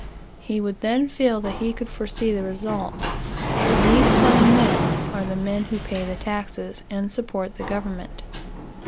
He would then feel that he could foresee the result. These plain men are the men who pay the taxes, and support the government.